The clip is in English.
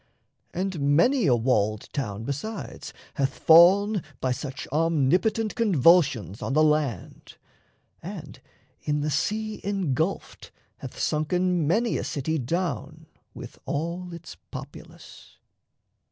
And many a walled town, Besides, hath fall'n by such omnipotent Convulsions on the land, and in the sea Engulfed hath sunken many a city down With all its populace.